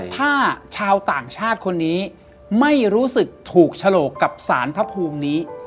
ถ้าชาวต่างชาติคนนี้ไม่รู้สึกถูกฉลกกับสารพระภูมินี้